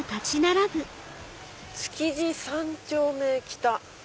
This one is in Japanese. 「築地三丁目北」。